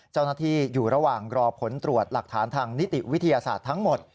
เจ้าหน้าที่อยู่ระหว่างรอผลตรวจหลักฐานทางนิติวิทยาศาสตร์ทั้งหมด